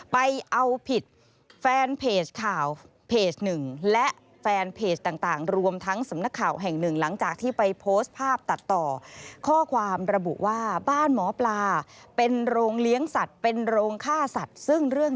ไปเอาผิดแฟนเพจข่าวเพจหนึ่งและแฟนเพจต่างรวมทั้งสำนักข่าวแห่งหนึ่ง